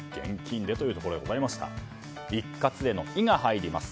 一括での「イ」が入ります。